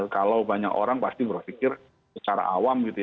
kalau banyak orang pasti berpikir secara awam gitu ya